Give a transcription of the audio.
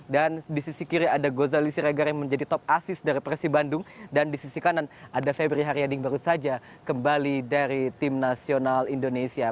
dan di sisi kiri ada gozali siregar yang menjadi top asis dari persi bandung dan di sisi kanan ada febri haryading baru saja kembali dari tim nasional indonesia